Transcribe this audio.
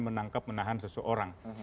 menangkap menahan seseorang